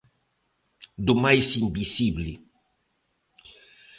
Do máis invisible.